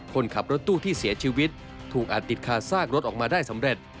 คนขับรถตู้ที่เสียชีวิตถูกอาจติดคาซากรถออกมาได้สำเร็จ